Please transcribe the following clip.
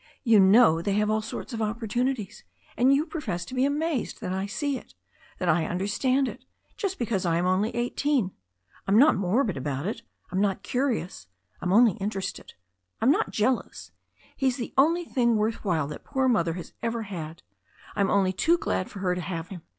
You know they have all sorts of opportunities. And you profess to be amazed that I see it, that I understand it, just because I am only eighteen. I'm not morbid about it. I'm not curious. I'm only interested. I'm not jealous. He's the only thing worth while that poor Mother has ever had. I'm only too glad for her to have him.